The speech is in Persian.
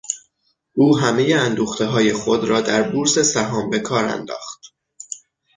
او همهی اندوختههای خود را در بورس سهام به کار انداخت.